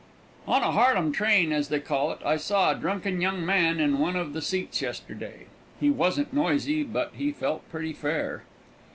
On a Harlem train, as they call it, I saw a drunken young man in one of the seats yesterday. He wasn't noisy, but he felt pretty fair.